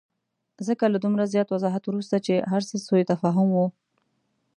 ځکه له دومره زیات وضاحت وروسته چې هرڅه سوءتفاهم وو.